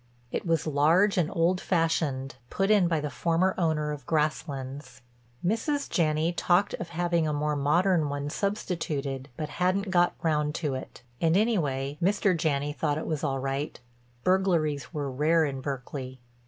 It was large and old fashioned—put in by the former owner of Grasslands. Mrs. Janney talked of having a more modern one substituted but hadn't "got round to it," and anyway Mr. Janney thought it was all right—burglaries were rare in Berkeley.